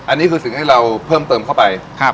อันนี้คือสิ่งที่เราเพิ่มเติมเข้าไป